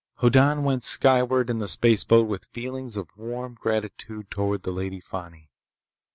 Hoddan went skyward in the spaceboat with feelings of warm gratitude toward the Lady Fani.